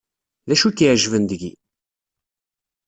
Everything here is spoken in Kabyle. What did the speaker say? D acu i k-iɛejben deg-i?